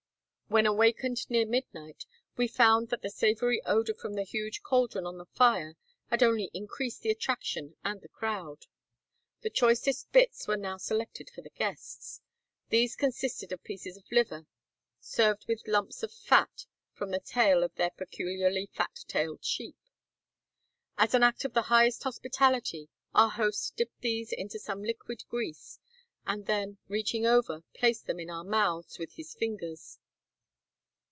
When awakened near midnight, we found that the savory odor from the huge caldron on the fire had only increased the attraction and the crowd. The choicest bits were now selected for the guests. These consisted of pieces of liver, served with lumps of fat from the tail of their peculiarly fat tailed sheep. As an act of the highest hospitality, our host dipped these into some liquid grease, and then, reaching over, placed them in our mouths with his fingers.